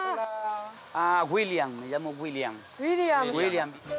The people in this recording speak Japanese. ウィリアムさん。